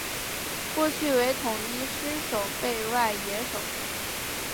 过去为统一狮守备外野手。